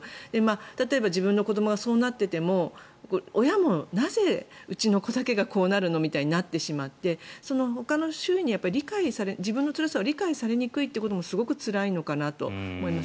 例えば自分の子どもがそうなっていても親もなぜ、うちの子だけがこうなるの？みたいになってしまってほかの周囲に自分のつらさを理解されにくいというのもすごいつらいのかなと思います。